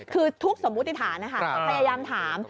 คือทุกสมมุติฐานนะคะพยายามถาม